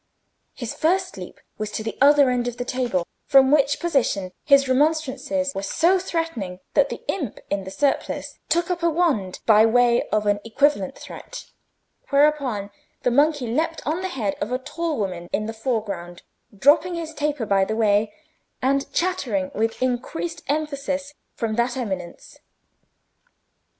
His first leap was to the other end of the table, from which position his remonstrances were so threatening that the imp in the surplice took up a wand by way of an equivalent threat, whereupon the monkey leaped on to the head of a tall woman in the foreground, dropping his taper by the way, and chattering with increased emphasis from that eminence.